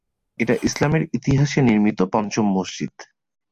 এটা ইসলামের ইতিহাসে নির্মিত পঞ্চম মসজিদ।